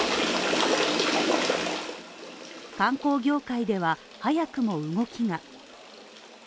観光業界では、早くも動きが。